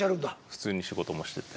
普通に仕事もしてて。